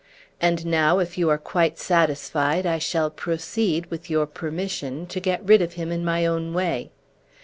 And now, if you are quite satisfied, I shall proceed, with your permission, to get rid of him in my own way."